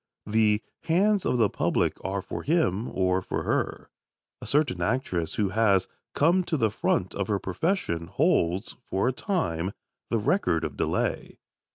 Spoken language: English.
The hands of the public are for him, or for her. A certain actress who has "come to the front of her profession" holds, for a time, the record of delay.